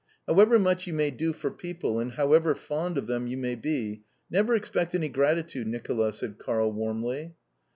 "However much you may do for people, and however fond of them you may be, never expect any gratitude, Nicola," said Karl warmly.